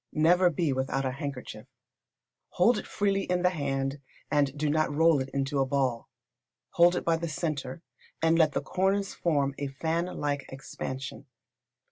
Never be without a handkerchief. Hold it freely in the hand, and do not roll it into a ball. Hold it by the centre, and let the corners form a fan like expansion.